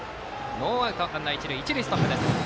ノーアウトランナー、一塁と一塁ストップです。